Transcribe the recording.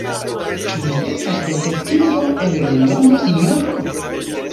Ĉu vi estas detektivo el Londono, sinjoro?